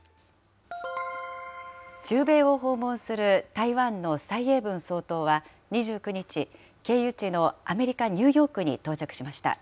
中米を訪問する台湾の蔡英文総統は２９日、経由地のアメリカ・ニューヨークに到着しました。